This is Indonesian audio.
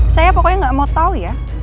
saya pokoknya gak mau tau ya